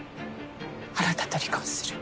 あなたと離婚する。